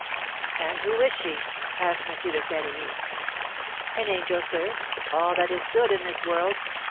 "And who is she?" asked M. de Saint Remy. "An angel, sir, all that is good in this world.